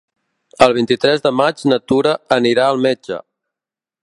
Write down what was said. El vint-i-tres de maig na Tura anirà al metge.